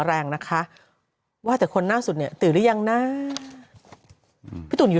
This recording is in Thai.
แรงนะคะว่าแต่คนล่าสุดเนี่ยตื่นหรือยังนะพี่ตุ๋นอยู่